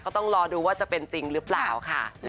ต้องรอดูว่าจะเป็นจริงหรือเปล่าค่ะ